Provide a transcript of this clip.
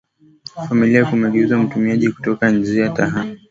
familia kumgeuza mtumiaji kutoka njia hatari zaidi za kutumia dawa za